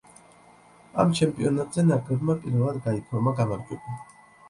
ამ ჩემპიონატზე ნაკრებმა პირველად გაიფორმა გამარჯვება.